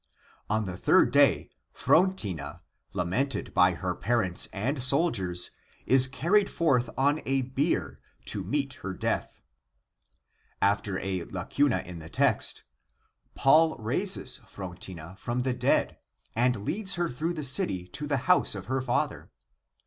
On the third day Phrontina, lamented by her parents and soldiers, is carried forth on a bier to meet her death. ... Paul raises Phrontina from the dead, and leads her through the city to the house of her father.